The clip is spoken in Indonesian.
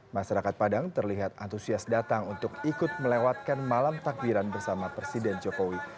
masyarakat padang terlihat antusias datang untuk ikut melewatkan malam takbiran bersama presiden jokowi